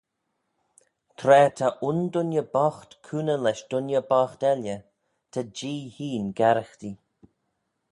Tra ta un dooinney boght cooney lesh dooinney boght elley, ta Jee hene garaghtee